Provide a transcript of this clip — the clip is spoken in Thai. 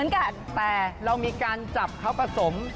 แต่เรามีการจับเขาผสม